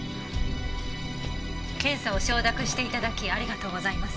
検査を承諾して頂きありがとうございます。